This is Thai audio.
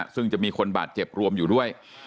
ซึ่งจะมีคนบาดเจ็บรวมอยู่ด้วย